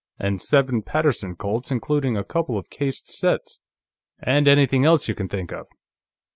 And seven Paterson Colts, including a couple of cased sets. And anything else you can think of.